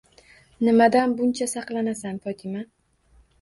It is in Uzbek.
Nimadan buncha saqlanasan, Fotima?!